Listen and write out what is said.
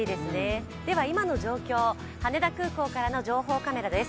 今の情報、羽田空港からの情報カメラです。